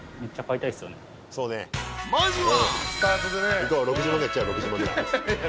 ［まずは］